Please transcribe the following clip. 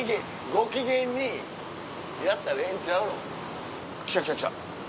ご機嫌にやったらええんちゃうの？来た来た来た。